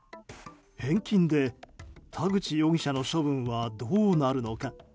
返金で田口容疑者の処分はどうなるのか。